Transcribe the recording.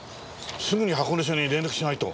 すぐに箱根署に連絡しないと。